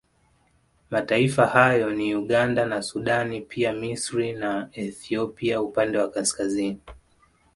Mataifa hayo ni Uganda na Sudan pia Misri na Ethiopia upande wa kaskazini